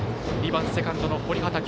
２番、セカンドの堀畑。